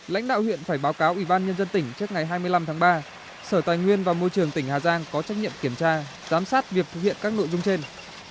lãnh đạo huyện phải báo cáo ủy ban nhân dân tỉnh trước ngày hai mươi năm tháng ba sở tài nguyên và môi trường tỉnh hà giang có trách nhiệm kiểm tra giám sát việc thực hiện các nội dung trên